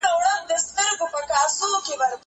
زه مخکي خبري کړې وې؟!